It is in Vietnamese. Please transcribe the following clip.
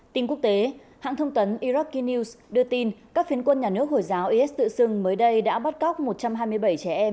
tin quốc tế hãng thông tấn iraq kenn news đưa tin các phiến quân nhà nước hồi giáo is tự xưng mới đây đã bắt cóc một trăm hai mươi bảy trẻ em